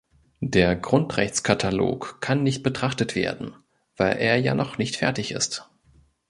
Der Grundrechtskatalog kann nicht betrachtet werden, weil er ja noch nicht fertig ist.